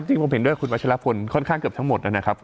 จริงผมเห็นด้วยคุณวัชลพลค่อนข้างเกือบทั้งหมดนะครับ